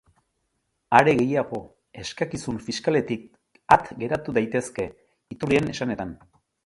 Are gehiago, eskakizun fiskaletik at geratu daitezke, iturrien esanetan.